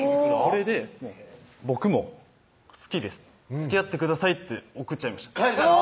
それで「僕も好きです」「つきあってください」って送っちゃいました返したの？